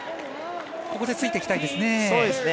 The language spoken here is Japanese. ここでついていきたいですね。